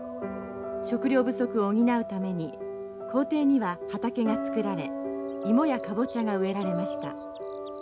食糧不足を補うために校庭には畑が作られイモやカボチャが植えられました。